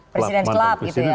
presiden club gitu ya